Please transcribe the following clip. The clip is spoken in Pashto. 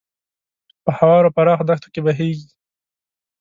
په هوارو پراخو دښتو کې بهیږي.